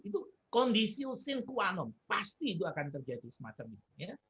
itu kondisi usil kuat pasti itu akan terjadi semacam itu